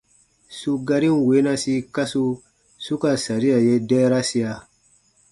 Su garin weenasi kasu su ka saria ye dɛɛrasia :